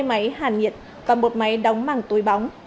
hai máy hàn nhiệt và một máy đóng mẳng túi bóng